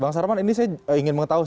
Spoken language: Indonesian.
bang sarman ini saya ingin mengetahui